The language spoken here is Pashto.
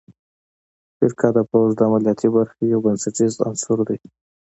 فرقه د پوځ د عملیاتي برخې یو بنسټیز عنصر دی.